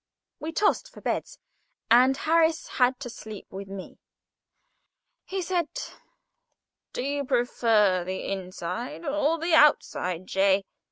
We tossed for beds, and Harris had to sleep with me. He said: "Do you prefer the inside or the outside, J.?"